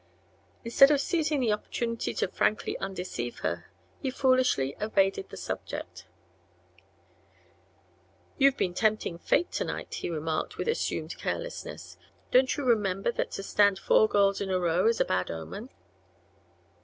Instead of seizing the opportunity to frankly undeceive her he foolishly evaded the subject. "You've been tempting fate to night," he remarked with assumed carelessness. "Don't you remember that to stand four girls in a row is a bad omen?"